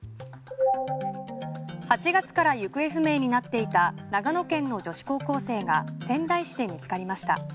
８月から行方不明になっていた長野県の女子高校生が仙台市で見つかりました。